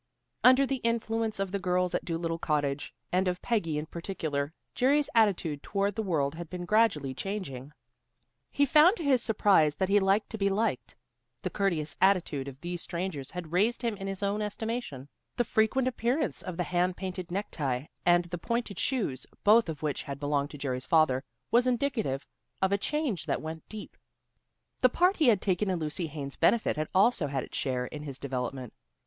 Under the influence of the girls at Dolittle Cottage, and of Peggy in particular, Jerry's attitude toward the world had been gradually changing. He found to his surprise that he liked to be liked. The courteous attitude of these strangers had raised him in his own estimation. The frequent appearance of the hand painted necktie and the pointed shoes both of which had belonged to Jerry's father was indicative of a change that went deep. The part he had taken in Lucy Haines' benefit had also had its share in his development.